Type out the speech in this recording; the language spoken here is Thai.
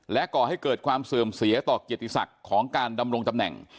ก่อให้เกิดความเสื่อมเสียต่อเกียรติศักดิ์ของการดำรงตำแหน่ง